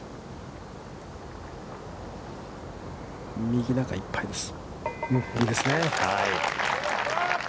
右中いっぱいです。